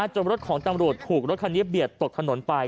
รถของตำรวจถูกรถคันนี้เบียดตกถนนไป